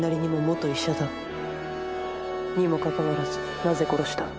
にもかかわらずなぜ殺した？